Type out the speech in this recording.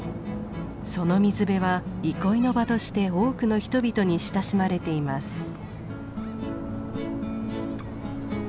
その水辺は憩いの場として多くの人々に親しまれています。